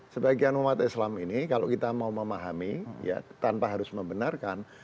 sebagian umat islam ini kalau kita mau memahami tanpa harus membenarkan